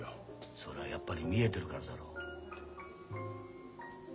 それはやっぱり見えてるからだろ。